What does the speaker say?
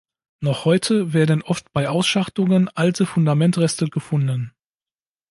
Noch heute werden oft bei Ausschachtungen alte Fundamentreste gefunden.